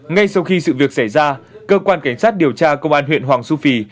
ngay sau khi sự việc xảy ra cơ quan cảnh sát điều tra công an huyện hoàng su phi